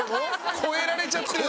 超えられちゃってるよ。